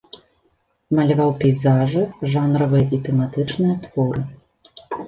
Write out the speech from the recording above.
Маляваў пейзажы, жанравыя і тэматычныя творы.